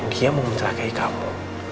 dia mau mencelakai kamu